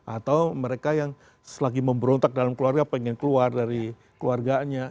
atau mereka yang selagi memberontak dalam keluarga pengen keluar dari keluarganya